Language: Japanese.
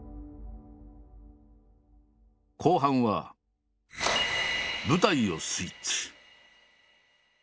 後半は舞台をスイッチ。